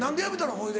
ほいで。